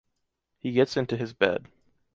He gets into his bed.